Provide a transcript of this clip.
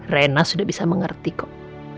rena sudah bisa mengerti kok